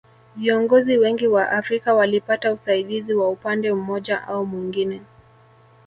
Viongozi wengi wa Afrika walipata usaidizi wa upande mmoja au mwingine